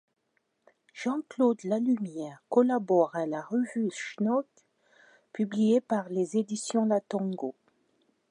Jean-Claude Lalumière collabore à la revue Schnock publiée par les éditions La Tengo.